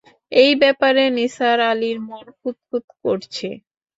এই ব্যাপারে নিসার আলির মন খুঁতখুঁত করছে।